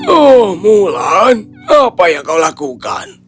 oh mulan apa yang kau lakukan